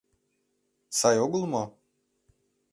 Сай огыл мо?